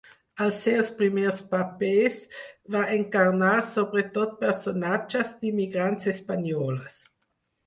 Als seus primers papers va encarnar sobretot personatges d'immigrants espanyoles.